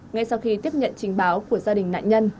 ngay sau khi tiếp nhận trình báo của gia đình nạn nhân